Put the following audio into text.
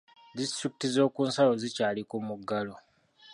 Disitulikiti z'okunsalo zikyali ku muggalo.